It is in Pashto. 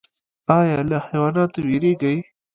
ایا له حیواناتو ویریږئ؟